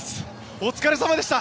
お疲れさまでした。